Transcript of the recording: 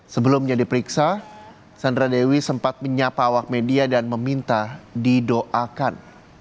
sebelumnya diperiksa sandra dewi sempat menyapa awak media dan meminta didoakan